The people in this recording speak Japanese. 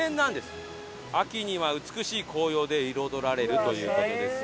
秋には美しい紅葉で彩られるという事ですよ。